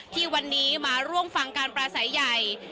ที่วันนี้มาร่วมฟังการปราศัยใหญ่